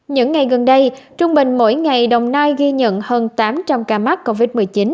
những ngày gần đây trung bình mỗi ngày đồng nai ghi nhận hơn tám trăm linh ca mắc covid một mươi chín